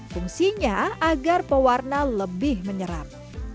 fungsinya agar pewarna lebih menyerap